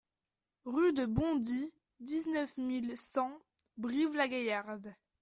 Rue de Bondy, dix-neuf mille cent Brive-la-Gaillarde